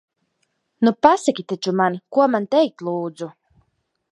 Nu pasaki taču man, ko man teikt, lūdzu!